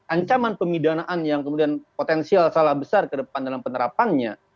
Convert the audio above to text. ancaman pemidanaan yang kemudian potensial salah besar ke depan dalam penerapannya